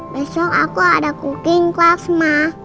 besok aku ada cooking class mas